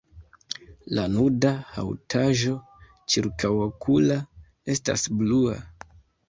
La nuda haŭtaĵo ĉirkaŭokula estas blua.